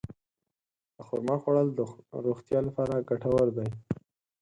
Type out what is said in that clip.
د خرما خوړل د روغتیا لپاره ګټور دي.